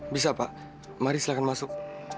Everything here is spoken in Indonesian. bisa pak mari silahkan masuk